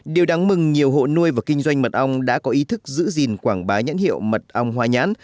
điều đáng mừng nhiều hộ nuôi và kinh doanh mật ong đã có ý thức giữ gìn quảng bá nhãn hiệu mật ong hoa nhãn